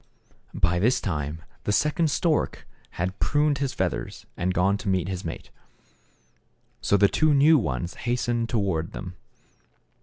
By this time the second stork had pruned his feathers, and gone to meet his mate. So the two new ones hastened toward them.